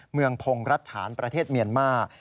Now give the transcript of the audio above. เมืองพงรัฐฐานประเทศเมียนมาร์